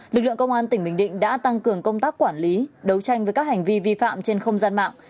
lực lượng công an tỉnh bình định đã tăng cường công tác quản lý đấu tranh với các hành vi vi phạm trên không gian mạng